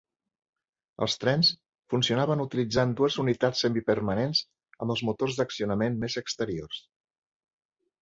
Els trens funcionaven utilitzant dues unitats semipermanents, amb els motors d'accionament més exteriors.